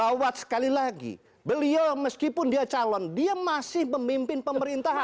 bahwa sekali lagi beliau meskipun dia calon dia masih pemimpin pemerintahan